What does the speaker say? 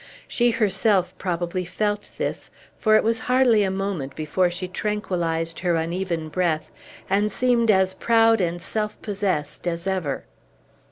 She herself probably felt this; for it was hardly a moment before she tranquillized her uneven breath, and seemed as proud and self possessed as ever.